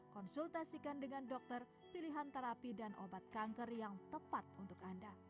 konsultasikan dengan dokter pilihan terapi dan obat kanker yang tepat untuk anda